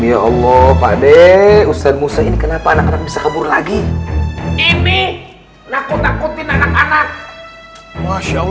ya allah pakdeh ustaz musa ini kenapa anak anak bisa kabur lagi ini takut takutin anak anak